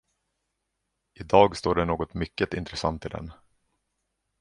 I dag står det något mycket intressant i den.